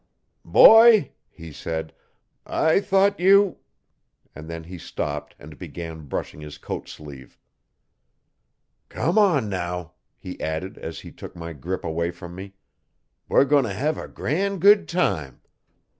'Boy,' he said, 'I thought you...' and then he stopped and began brushing his coat sleeve. 'Come on now,' he added as he took my grip away from me. 'We're goin' t' hev a gran' good time.